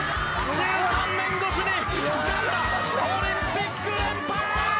１３年越しにつかんだオリンピック連覇。